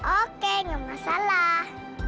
oke gak masalah